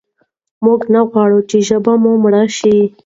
موږ نه غواړو چې ژبه مو مړه شي.